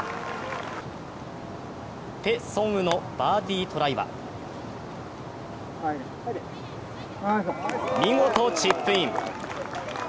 ペ・ソンウのバーディートライは見事、チップイン。